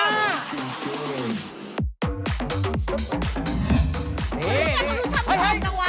ใครรู้มือชาติมันอีกแล้ววะ